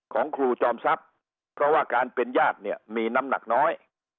ของครูจอมทรัพย์เพราะว่าการเป็นญาติเนี่ยมีน้ำหนักน้อย